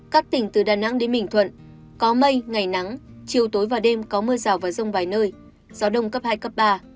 các tỉnh từ đà nẵng đến bình thuận có mây ngày nắng chiều tối và đêm có mưa rào và rông vài nơi gió đông cấp hai cấp ba